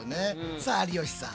さあ有吉さん